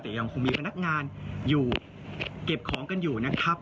แต่ยังคงมีพนักงานอยู่เก็บของกันอยู่นะครับ